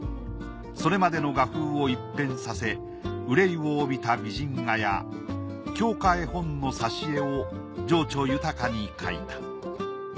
それまでの画風を一変させ愁いを帯びた美人画や狂歌絵本の挿絵を情緒豊かに描いた。